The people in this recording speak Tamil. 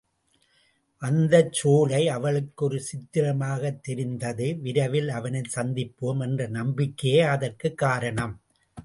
அந்தச் சோலை அவளுக்கு ஒரு சித்திரமாகத் தெரிந்தது விரைவில் அவனைச் சந்திப்போம் என்ற நம்பிக்கையே அதற்குக் காரணம்.